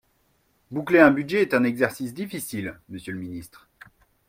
Boucler un budget est un exercice difficile, monsieur le ministre.